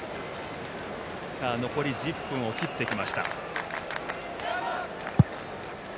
残り１０分を切ってきました。